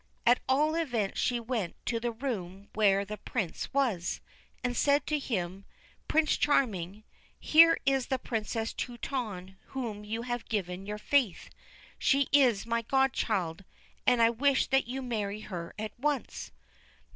At all events she went to the room where the Prince was, and said to him :' Prince Charming, here is the Princess Truitonne to whom you have given your faith ; she is my godchild, and I wish that you marry her at once.'